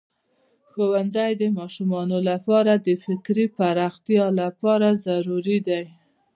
ښوونځی د ماشومانو لپاره د فکري پراختیا لپاره ضروری دی.